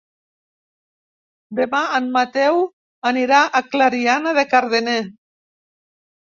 Demà en Mateu anirà a Clariana de Cardener.